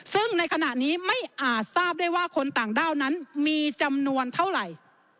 ซึ่งในขณะนี้ไม่อาจทราบได้ว่าคนต่างด้าวนั้นมีจำนวนเท่าไหร่